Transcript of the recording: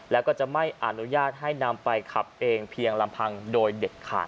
แล้วก็จะไม่อนุญาตให้นำไปขับเองเพียงลำพังโดยเด็ดขาด